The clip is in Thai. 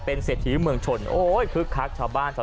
เป็นเศรษฐีเมืองชนโคตรคลักษณ์ชาวบ้านชาวช่อง